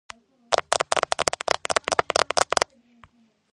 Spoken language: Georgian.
გავრცელებულია არაბეთის ნახევარკუნძულზე.